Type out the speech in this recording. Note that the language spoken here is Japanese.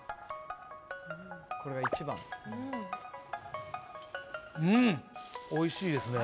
これが１番うんおいしいですね